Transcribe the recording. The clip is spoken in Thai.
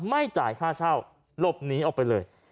ไม่จ่ายค่าเช่าหลบหนีออกไปเลย